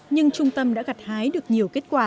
nhưng trung tâm đã gặt hái được nhiều kết quả